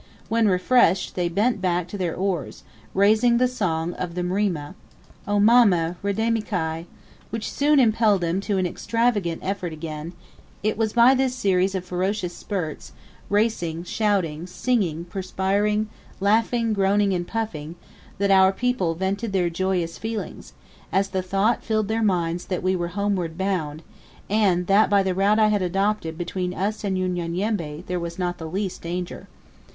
When refreshed, they bent back to their oars, raising the song of the Mrima O mama, re de mi Ky, which soon impelled them to an extravagant effort again, It was by this series of ferocious spurts, racing, shouting, singing, perspiring, laughing, groaning, and puffing, that our people vented their joyous feelings, as the thought filled their minds that we were homeward bound, and that by the route I had adopted between us and Unyanyembe there was not the least danger.